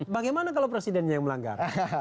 bagaimana kalau presidennya yang melanggar